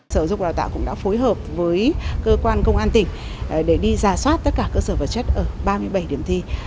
sở dục đào tạo cũng đã phối hợp với cơ quan công an tỉnh để đi ra soát tất cả cơ sở vật chất ở ba mươi bảy điểm thi